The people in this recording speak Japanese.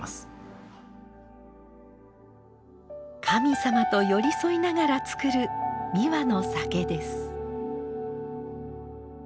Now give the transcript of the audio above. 神様と寄り添いながら造る三輪の酒です。